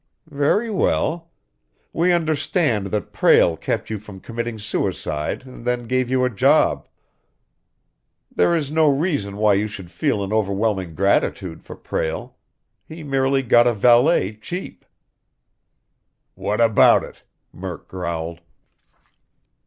"Very well. We understand that Prale kept you from committing suicide and then gave you a job. There is no reason why you should feel an overwhelming gratitude for Prale. He merely got a valet cheap." "What about it?" Murk growled.